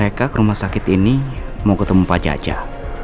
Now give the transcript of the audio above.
pak jaja itu dulu sebagai saksi dalam persidangan bu andin kan